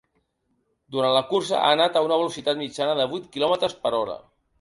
Durant la cursa, ha anat a una velocitat mitjana de vuit quilòmetres per hora.